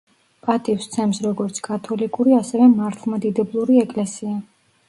პატივს სცემს როგორც კათოლიკური, ასევე მართლმადიდებლური ეკლესია.